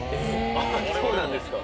あっそうなんですか